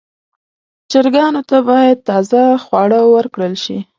چرګانو ته باید تازه خواړه ورکړل شي.